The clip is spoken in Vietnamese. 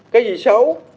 cái gì xấu